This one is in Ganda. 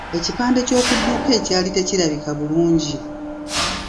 Ekipande ky'oku dduuka ekyali tekirabika bulungi.